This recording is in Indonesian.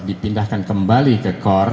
dipindahkan kembali ke core